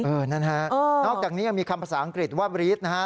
นะฮะนอกจากนี้ยังมีคำภาษาอังกฤษว่าบรีดนะฮะ